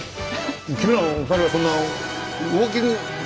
君ら２人はそんなウォーキングま